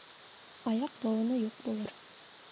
Аяҡ-быуыны юҡ булыр.